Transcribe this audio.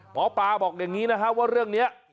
หมอปลาบอกอย่างนี้นะครับว่าเรื่องนี้